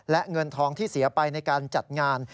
และเงินทองที่เสียไปในการจัดงาน